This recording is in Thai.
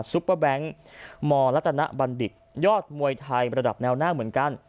ปเปอร์แบงค์มรัตนบัณฑิตยอดมวยไทยระดับแนวหน้าเหมือนกัน